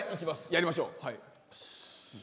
やりましょう。